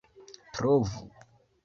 trovu